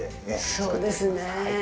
そうですね。